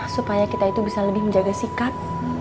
supaya kita itu bisa lebih menjaga sikap